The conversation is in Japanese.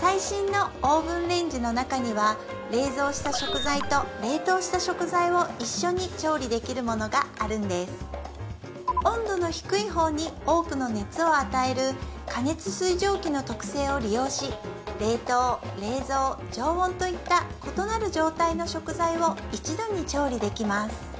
最新のオーブンレンジの中には冷蔵した食材と冷凍した食材を一緒に調理できるものがあるんです温度の低いほうに多くの熱を与える過熱水蒸気の特性を利用し冷凍冷蔵常温といった異なる状態の食材を一度に調理できます